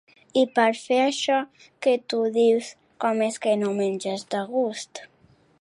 I pera fer això que tu dius, com és que no menges de gust?